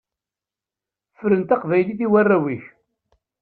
Fren taqbaylit i warraw-ik.